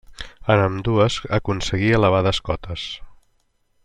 En ambdues aconseguí elevades cotes.